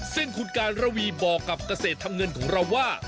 ซึ่งคุณการระวีบอกกับเกษตรทำเงินของเราว่า